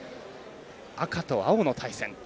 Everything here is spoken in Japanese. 赤と青の対戦。